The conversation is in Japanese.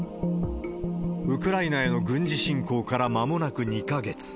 ウクライナへの軍事侵攻からまもなく２か月。